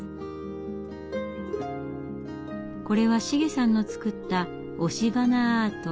これはシゲさんの作った押し花アート。